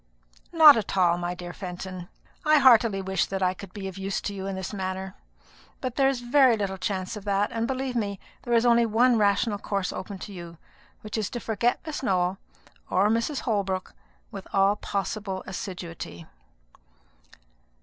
"Not at all, my dear Fenton. I heartily wish that I could be of use to you in this matter; but there is very little chance of that; and, believe me, there is only one rational course open to you, which is, to forget Miss Nowell, or Mrs. Holbrook, with all possible assiduity."